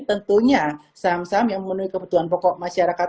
tentunya saham saham yang memenuhi kebutuhan pokok masyarakat